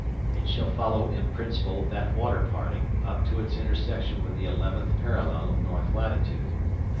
It shall follow in principle that water parting up to its intersection with the 11th parallel of north latitude.